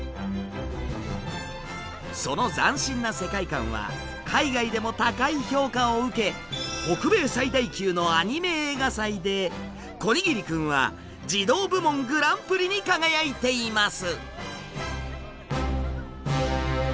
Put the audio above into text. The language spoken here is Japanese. その斬新な世界観は海外でも高い評価を受け北米最大級のアニメ映画祭で「こにぎりくん」は児童部門グランプリに輝いています。